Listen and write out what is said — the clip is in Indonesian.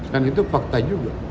dan itu fakta juga